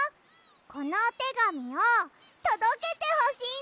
このおてがみをとどけてほしいの！